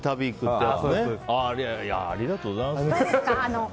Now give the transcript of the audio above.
いやあ、ありがとうございます。